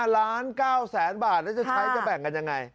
๕ล้าน๙แสนบาทแล้วจะใช้จะแบ่งกันยังไง